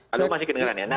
masih mendengar ya